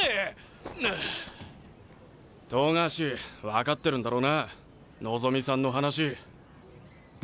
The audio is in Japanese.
冨樫分かってるんだろうな望さんの話。